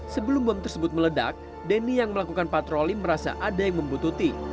sebelum bom tersebut meledak deni yang melakukan patroli merasa ada yang membutuhkan